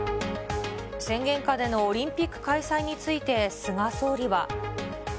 宣言下でのオリンピック開催について菅総理は。